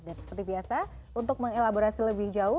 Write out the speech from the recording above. dan seperti biasa untuk mengelaborasi lebih jauh